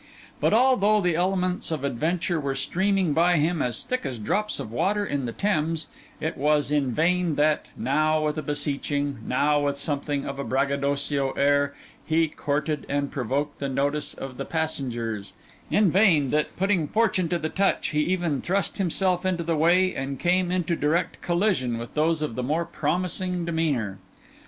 But although the elements of adventure were streaming by him as thick as drops of water in the Thames, it was in vain that, now with a beseeching, now with something of a braggadocio air, he courted and provoked the notice of the passengers; in vain that, putting fortune to the touch, he even thrust himself into the way and came into direct collision with those of the more promising demeanour.